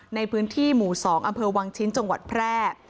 ในพื้นที่หมู่๒อำเภอวังชิ้นจังหวัดแพร่